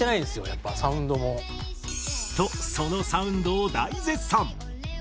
やっぱサウンドも。とそのサウンドを大絶賛。